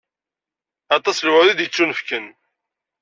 Aṭas n lewɛud i d-yettunefken.